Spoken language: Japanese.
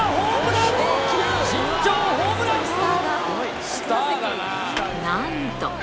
新庄ホームラン！